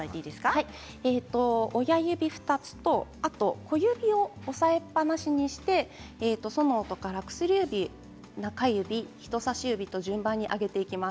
親指２つと小指を押さえっぱなしにしてソの音から薬指、中指人さし指と順番に開けていきます。